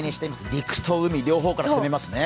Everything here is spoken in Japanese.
陸と海、今日は両方から攻めますね。